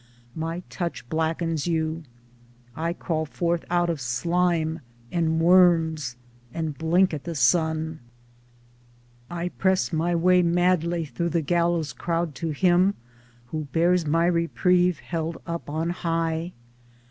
My touch blackens you. I crawl forth out of slime and worms and blink at the sun. I press my way madly through the gallows crowd to him who bears my reprieve held up on high.